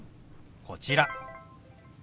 こちら。